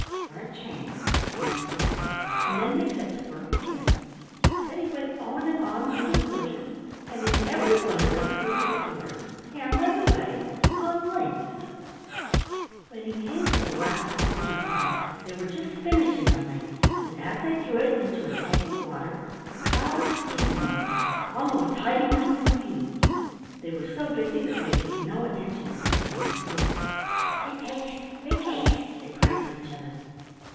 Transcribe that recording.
"For a chain," answered the dwarfs, and then they set to work again. Teddy went on and on through the forges, and in every one of them were little dwarfs hammering away on links. When he came to the last forge of all, they were just finishing a link, and as they threw it into a tank of water a cloud of steam rose, almost hiding them from view. They were so busy that they paid no attention to Teddy when he spoke. "Make haste! Make haste!" they cried to each other.